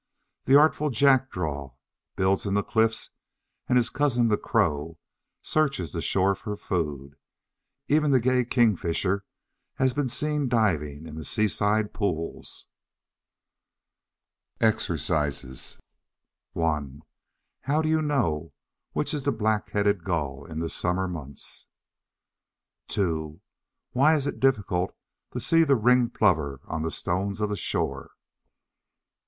The artful Jackdaw builds in the cliffs, and his cousin, the Crow, searches the shore for food. Even the gay Kingfisher has been seen diving in the seaside pools. EXERCISES 1. How do you know which is the Black headed Gull in the summer months? 2. Why is it difficult to see the Ringed Plover on the stones of the shore?